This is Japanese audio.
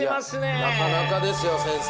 なかなかですよ先生。